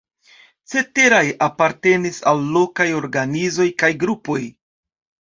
Ceteraj apartenis al lokaj organizoj kaj grupoj.